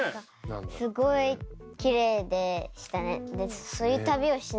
すごいキレイでしたね。